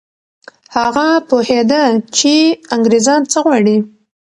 هغه پوهېده چي انګریزان څه غواړي.